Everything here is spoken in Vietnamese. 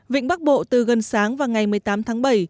vịnh bắc bộ từ gần sáng và ngày một mươi tám tháng bảy